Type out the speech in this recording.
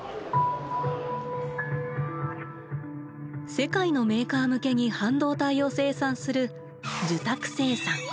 世界のメーカー向けに半導体を生産する「受託生産」。